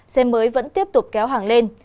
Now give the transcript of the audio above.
xe mới vẫn tiếp tục kéo hàng lên